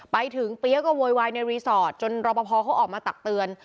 ไปถึงเปี๊ยกก็โวยวายในรีสอร์ทจนรอปภเขาออกมาตักเตือน